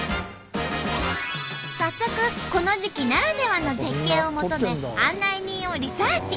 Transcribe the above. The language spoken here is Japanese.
早速この時期ならではの絶景を求め案内人をリサーチ。